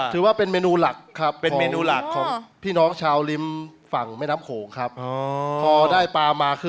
คือว่าเป็นเมนูหลัก